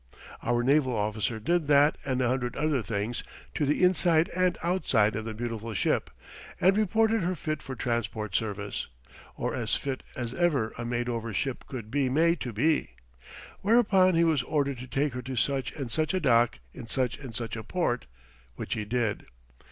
Our naval officer did that and a hundred other things to the inside and outside of the beautiful ship and reported her fit for transport service, or as fit as ever a made over ship could be made to be, whereupon he was ordered to take her to such and such a dock in such and such a port which he did.